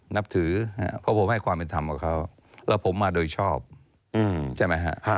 นับถือเพราะผมให้ความเป็นธรรมกับเขาแล้วผมมาโดยชอบใช่ไหมฮะ